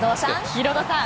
ヒロドさん